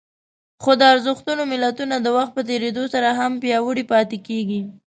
خو د ارزښتونو ملتونه د وخت په تېرېدو سره هم پياوړي پاتې کېږي.